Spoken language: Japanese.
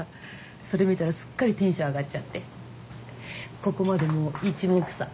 それ見たらすっかりテンション上がっちゃってここまでもういちもくさん。